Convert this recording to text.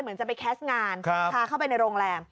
เหมือนจะไปแคสโรงงาน